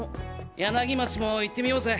柳町も行ってみようぜ！